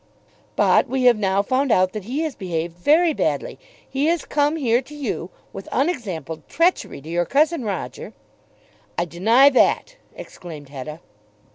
"But we have now found out that he has behaved very badly. He has come here to you, with unexampled treachery to your cousin Roger " "I deny that," exclaimed Hetta.